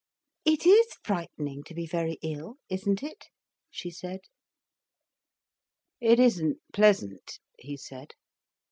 "It is frightening to be very ill, isn't it?" she said. "It isn't pleasant," he said.